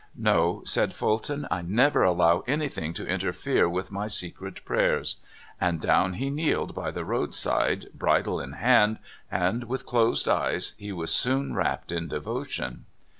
" No," said Fulton, " I never allow anything to interfere with my secret pra3'ers." And down he kneeled by the roadside, bridle in hand, and v/ith closed eyes he was soon wrapped in devotion.